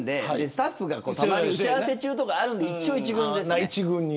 スタッフが打ち合わせ中とかあるので一応、一軍です。